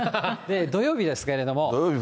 土曜日ですけれども。